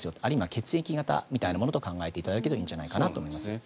血液型みたいなものと考えていただけるといいんじゃないかなと思います。